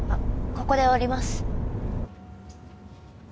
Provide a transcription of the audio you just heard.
ここで降ります